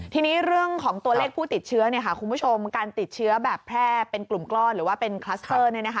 ทีนี้เรื่องของตัวเลขผู้ติดเชื้อคุณผู้ชมการติดเชื้อแบบแพร่เป็นกลุ่มก้อนหรือว่าเป็นคลัสเตอร์